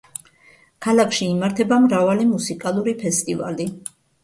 ქალაქში იმართება მრავალი მუსიკალური ფესტივალი.